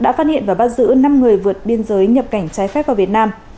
đã phát hiện và bắt giữ năm người vượt biên giới nhập cảnh trái phép vào việt nam